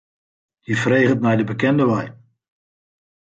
Hy freget nei de bekende wei.